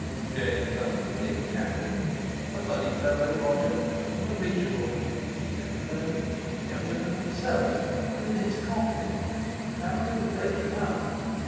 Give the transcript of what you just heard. James uttered a thin cackle. A funny fellow—Roger—an original! He didn't know! Younger than himself, and in his coffin! The family was breaking up.